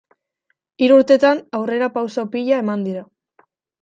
Hiru urtetan aurrerapauso pila eman dira.